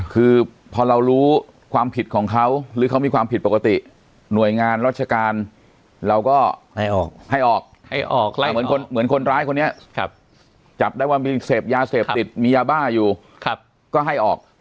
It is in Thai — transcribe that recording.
คือพอเรารู้ความผิดของเขาหรือเขามีความผิดปกติหน่วยงานราชการเราก็ให้ออกให้ออกเหมือนคนร้ายคนนี้จับได้ว่ามีเสพยาเสพติดมียาบ้าอยู่ก็ให้ออก